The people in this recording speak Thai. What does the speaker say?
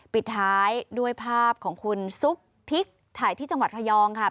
ปิดท้ายด้วยภาพของคุณซุปพริกถ่ายที่จังหวัดระยองค่ะ